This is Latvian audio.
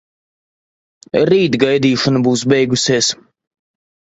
Rīt gaidīšana būs beigusies.